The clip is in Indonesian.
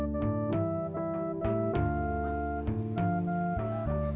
haruslah jadi musik